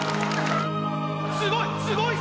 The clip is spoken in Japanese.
すごい！